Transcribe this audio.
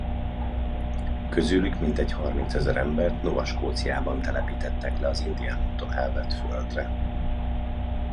Közülük mintegy harmincezer embert Nova Scotia-ban telepítettek le az indiánoktól elvett földre.